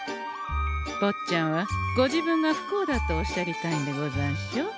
ぼっちゃんはご自分が不幸だとおっしゃりたいんでござんしょう？